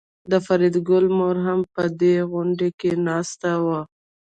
د فریدګل مور هم په دې غونډه کې ناسته وه